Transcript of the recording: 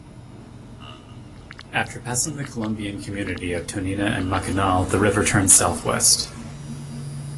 After passing the Colombian community of Tonina and Macanal the river turns Southwest.